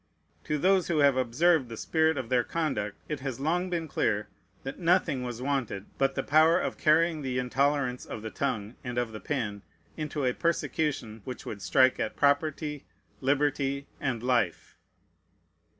To those who have observed the spirit of their conduct it has long been clear that nothing was wanted but the power of carrying the intolerance of the tongue and of the pen into a persecution which would strike at property, liberty, and life.